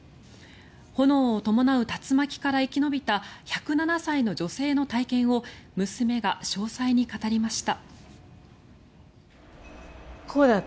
炎を伴う竜巻から生き延びた１０７歳の女性の体験を娘が詳細に語りました。